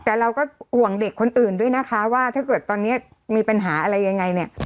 แต่เราก็ห่วงเด็กคนอื่นด้วยนะคะว่าถ้าเกิดตอนนี้มีปัญหาอะไรยังไงเนี่ย